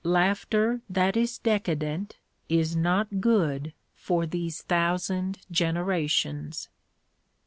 Laughter that is decadent is not good for these thousand generations.